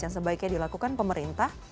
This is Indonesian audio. yang sebaiknya dilakukan pemerintah